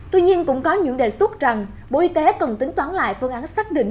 tuy nhiên cũng có những đề xuất rằng bộ y tế cần tính toán lại phương án xác định